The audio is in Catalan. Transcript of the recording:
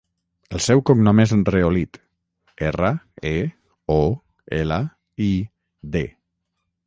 El seu cognom és Reolid: erra, e, o, ela, i, de.